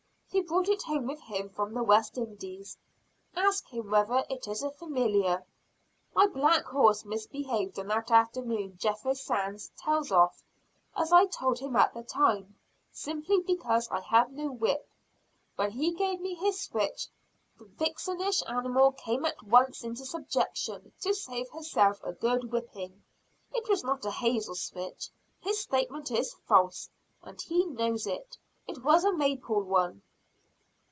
He brought it home with him from the West Indies. Ask him whether it is a familiar. My black horse misbehaved on that afternoon Jethro Sands tells of, as I told him at the time; simply because I had no whip. When he gave me his switch, the vixenish animal came at once into subjection to save herself a good whipping. It was not a hazel switch, his statement is false, and he knows it, it was a maple one."